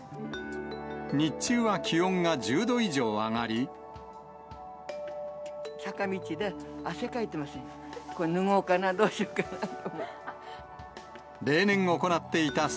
日中は気温が１０度以上上が坂道で汗かいてます。